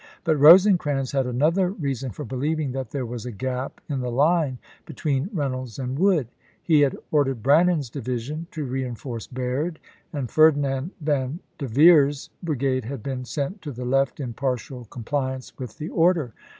But Rosecrans had another reason for believing that there was a gap in the line between Reynolds and Wood. He had ordered Brannan's division to reenforce Baird, and Ferdinand Van Derveer's brigade had been sent to the left in partial com pliance with the order.